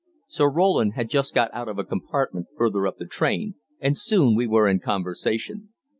Sir Roland had just got out of a compartment further up the train, and soon we were in conversation.